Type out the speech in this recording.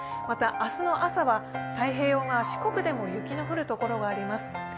また、明日の朝は太平洋側、四国でも雪が降る所があります。